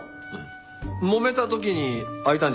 揉めた時に開いたんじゃないんですか？